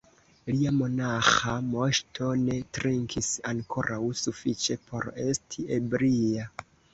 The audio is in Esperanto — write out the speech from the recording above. Lia monaĥa Moŝto ne trinkis ankoraŭ sufiĉe por esti ebria.